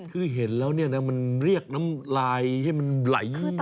คือเห็นแล้วนี่นะมันเรียกน้ำลายให้มันไหลเยอะมากมา